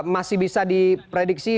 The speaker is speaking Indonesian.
masih bisa diprediksi